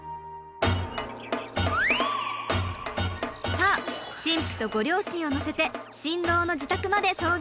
さあ新婦とご両親を乗せて新郎の自宅まで送迎します。